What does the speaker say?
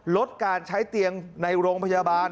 ลดการใช้เตียงในโรงพยาบาล